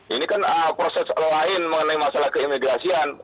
ini kan proses lain mengenai masalah keimigrasian